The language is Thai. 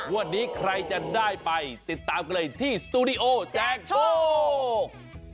วันนี้ใครจะได้ไปติดตามกันเลยที่สตูดิโอแจกโชค